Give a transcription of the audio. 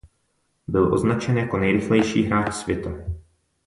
Byl označen jako nejrychlejší hráč světa.